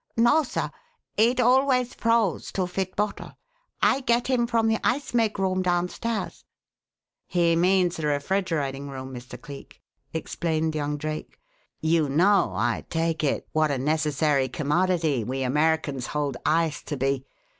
"No, sir. It always froze to fit bottle. I get him from the ice make room downstairs." "He means the refrigerating room, Mr. Cleek," explained young Drake. "You know, I take it, what a necessary commodity we Americans hold ice to be.